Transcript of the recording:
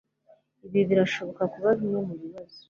Ibi birashobora kuba bimwe mubibazo